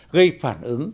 gây phản ứng